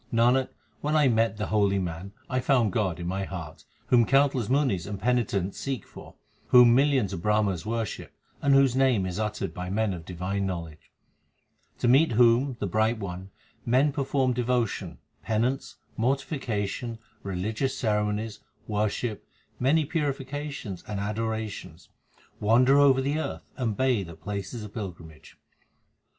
Nanak, when I met the holy man, I found God in my heart, Whom countless munis and penitents seek for, Whom millions of Brahmas worship, and whose name is uttered by men of divine knowledge ; To meet whom, the Bright One, men perform devotion, penance, mortification, religious ceremonies, worship, many purifications and adorations, Wander over the earth, and bathe at places of pilgrimage.